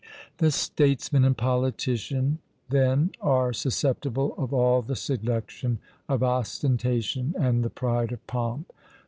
The statesman and politician then are susceptible of all the seduction of ostentation and the pride of pomp!